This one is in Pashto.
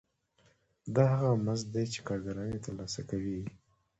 دا هغه مزد دی چې کارګران یې ترلاسه کوي